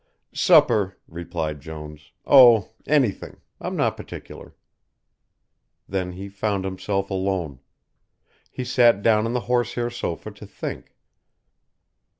"Supper," replied Jones, "oh, anything. I'm not particular." Then he found himself alone. He sat down on the horsehair sofa to think.